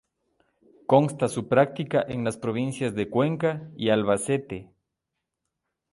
Consta su práctica en las provincias de Cuenca y Albacete.